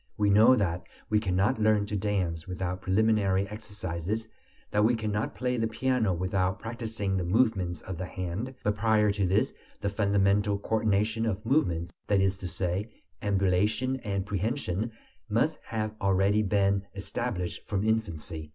We know that we cannot learn to dance without preliminary exercises, that we cannot play the piano without practising the movements of the hand; but prior to this, the fundamental coordination of movements, that is to say, ambulation and prehension, must have already been established from infancy.